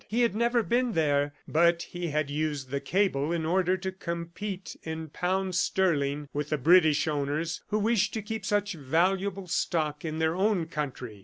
He had never been there, but he had used the cable in order to compete in pounds sterling with the British owners who wished to keep such valuable stock in their own country.